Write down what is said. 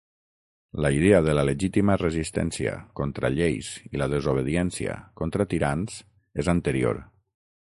La idea de la legítima resistència contra lleis i la desobediència contra tirans és anterior.